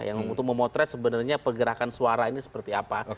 yang untuk memotret sebenarnya pergerakan suara ini seperti apa